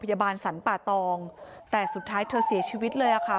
สันป่าตองแต่สุดท้ายเธอเสียชีวิตเลยอ่ะค่ะ